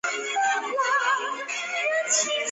谢顿更发现久瑞南的头发是以人工培植的。